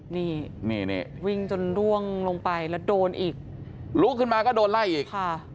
นี่วิ่งจนล่วงลงไปและโดนอีกลุกมาก็โดนไล่อีก